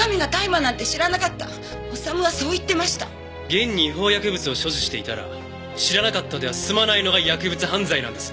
現に違法薬物を所持していたら知らなかったでは済まないのが薬物犯罪なんです。